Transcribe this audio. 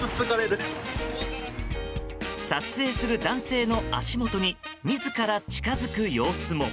撮影する男性の足元に自ら近づく様子も。